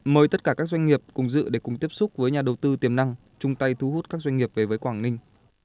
mời tất cả các doanh nghiệp cùng dự để cùng tiếp xúc với nhà đầu tư tiềm năng chung tay thu hút các doanh nghiệp về với quảng ninh